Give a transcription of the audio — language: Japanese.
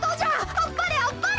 あっぱれあっぱれ！」。